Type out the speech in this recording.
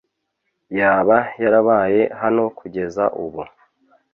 yaba yarabaye hano kugeza ubu